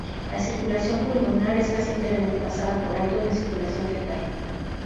La circulación pulmonar es casi enteramente pasada por alto en la circulación fetal.